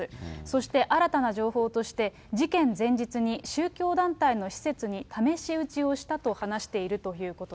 そして、新たな情報として、事件前日に宗教団体の施設に試し撃ちをしたと話しているというこ